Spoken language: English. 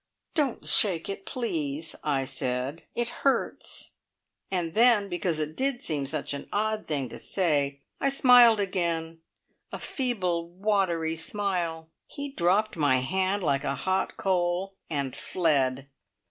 "Don't shake it, please," I said. "It hurts." And then, because it did seem such an odd thing to say, I smiled again, a feeble watery smile. He dropped my hand like a hot coal, and fled.